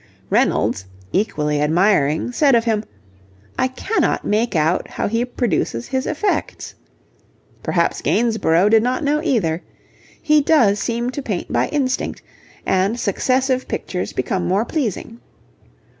Reynolds, equally admiring, said of him: 'I cannot make out how he produces his effects.' Perhaps Gainsborough did not know either. He does seem to paint by instinct, and successive pictures became more pleasing.